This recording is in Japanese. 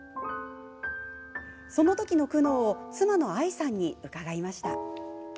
その時の苦悩を妻の愛さんにお伺いしました。